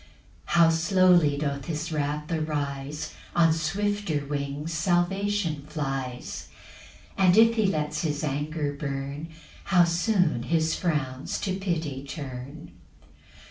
4 How slowly doth his wrath arise! On swifter wings salvation flies; And if he lets his anger burn, How soon his frowns to pity turn!